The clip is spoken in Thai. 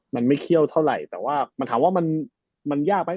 มันไม่เคี่ยวเท่าไหร่แต่ว่ามันถามว่ามันยากไหม